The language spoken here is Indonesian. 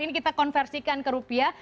ini kita konversikan ke rupiah